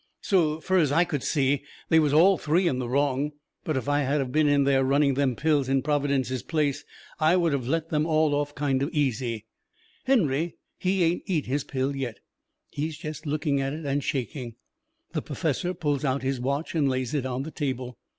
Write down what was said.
So fur as I could see they was all three in the wrong, but if I had of been in there running them pills in Providence's place I would of let them all off kind o' easy. Henry, he ain't eat his pill yet. He is jest looking at it and shaking. The perfessor pulls out his watch and lays it on the table.